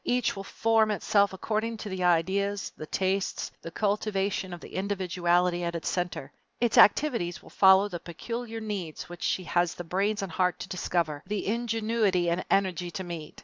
Each will form itself according to the ideas, the tastes, and the cultivation of the individuality at its center. Its activities will follow the peculiar needs which she has the brains and heart to discover, the ingenuity and energy to meet.